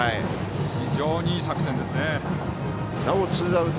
非常にいい作戦ですね。